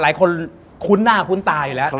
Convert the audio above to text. หลายคนคุ้นหน้าคุ้นตาอยู่แล้ว